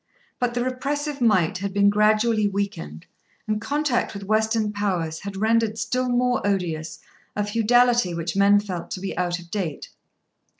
But the repressive might had been gradually weakened, and contact with Western powers had rendered still more odious a feudality which men felt to be out of date.